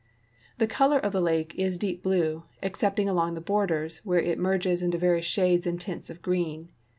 The color of the lake is deep blue excepting along the borders, where it merges into various shades and tints of green.